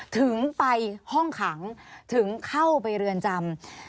ถึงไปห้องขังถึงเข้าไปเรือนจำ